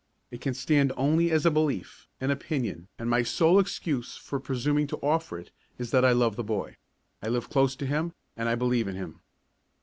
It can stand only as a belief, an opinion, and my sole excuse for presuming to offer it is that I love the boy; I live close to him and I believe in him.